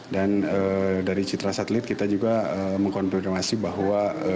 dan dari citra satelit kita juga mengkontrolasi bahwa